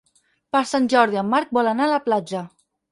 Per Sant Jordi en Marc vol anar a la platja.